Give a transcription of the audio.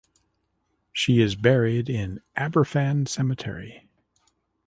She is buried in Aberfan cemetery.